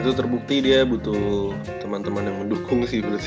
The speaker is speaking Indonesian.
itu terbukti dia butuh teman teman yang mendukung sih